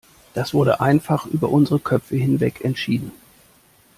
Das wurde einfach über unsere Köpfe hinweg entschieden.